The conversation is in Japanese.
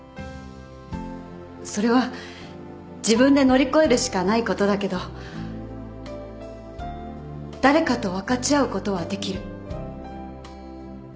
それは自分で乗り越えるしかないことだけど誰かと分かち合うことはできる。